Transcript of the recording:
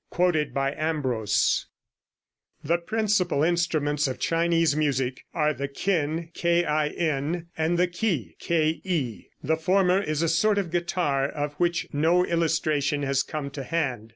(Quoted by Ambros.) [Illustration: Fig. 17.] The principal instruments of Chinese music are the Kin and the Ke. The former is a sort of guitar, of which no illustration has come to hand.